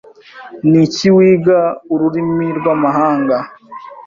Niki wiga ururimi rwamahanga?